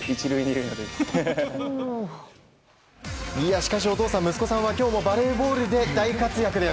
しかしお父さん、息子さんは今日もバレーボールで大活躍です。